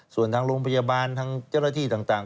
ส่วนทางโรงพยาบาลทางเจ้าหน้าที่ต่าง